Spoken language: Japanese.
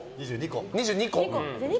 ２２個？